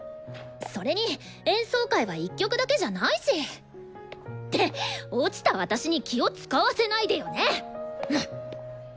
それに演奏会は１曲だけじゃないし。って落ちた私に気を遣わせないでよね！